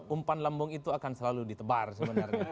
umpan lambung itu akan selalu ditebar sebenarnya